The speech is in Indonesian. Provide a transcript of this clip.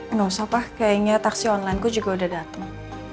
enggak usah pa kayaknya taksi online ku juga udah dateng